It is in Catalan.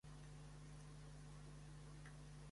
València i un grup força nombrós cap a Madrid.